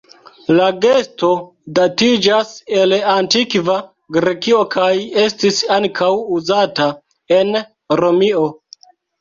La gesto datiĝas el Antikva Grekio kaj estis ankaŭ uzata en Romio.